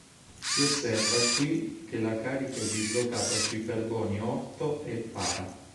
Si osserva qui che la carica è dislocata sui carboni "orto" e "para".